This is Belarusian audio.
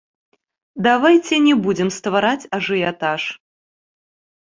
Давайце не будзем ствараць ажыятаж.